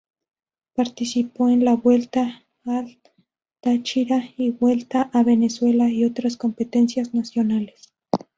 Participó en la Vuelta al Táchira y Vuelta a Venezuela y otras competencias nacionales.